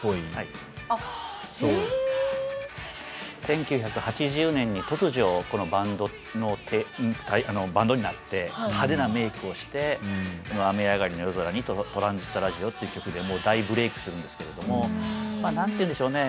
１９８０年に突如このバンドになって派手なメークをしてこの「雨あがりの夜空に」と「トランジスタ・ラジオ」って曲でもう大ブレークするんですけれども何て言うんでしょうね。